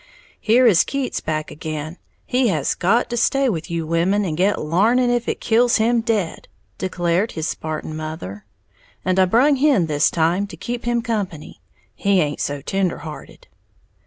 "Here is Keats back again, he has got to stay with you women and get l'arning if it kills him dead!" declared his Spartan mother; "and I brung Hen this time, to keep him company, he haint so tender hearted."